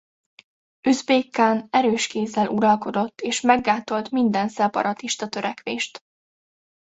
Üzbég kán erős kézzel uralkodott és meggátolt minden szeparatista törekvést.